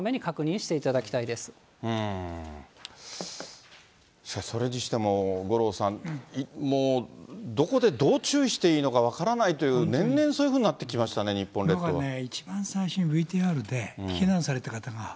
しかしそれにしても五郎さん、もうどこでどう注意していいのか分からないという、年々そういうふうになってきましたね、日本列島は。